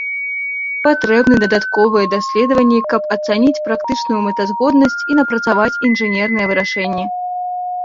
Патрэбны дадатковыя даследванні каб ацаніць практычную мэтазгоднасць і напрацаваць інжынерныя вырашэнні.